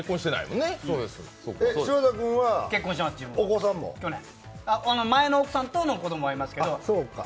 柴田君は？結婚しました、前の奥さんとの子供はいますけど。